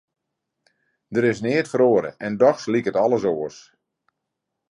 Der is neat feroare en dochs liket alles oars.